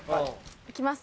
行きます。